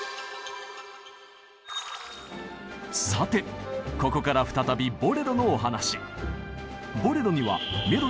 さてここから再び「ボレロ」のお話。